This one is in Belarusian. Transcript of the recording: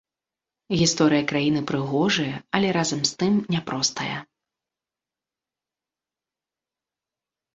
Гісторыя краіны прыгожая, але разам з тым няпростая.